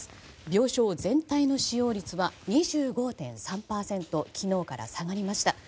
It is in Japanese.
病床全体の使用率は２５．３％昨日から下がりました。